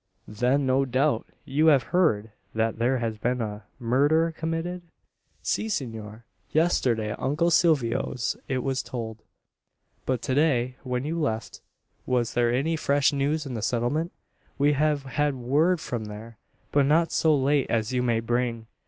"Then, no doubt, you have heard that there has been a murder committed?" "Si, senor. Yesterday at uncle Silvio's it was told." "But to day when you left was there any fresh news in the Settlement? We've had word from there; but not so late as you may bring.